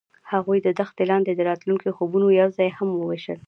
هغوی د دښته لاندې د راتلونکي خوبونه یوځای هم وویشل.